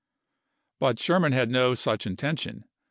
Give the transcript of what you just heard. But Sherman had no such intention.